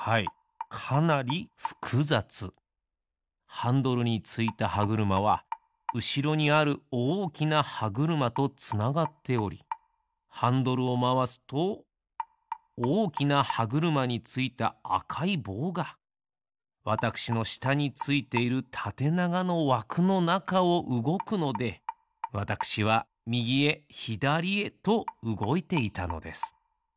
ハンドルについたはぐるまはうしろにあるおおきなはぐるまとつながっておりハンドルをまわすとおおきなはぐるまについたあかいぼうがわたくしのしたについているたてながのわくのなかをうごくのでわたくしはみぎへひだりへとうごいていたのです。